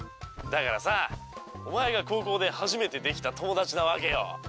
「だからさあお前が高校で初めてできた友達なわけよ」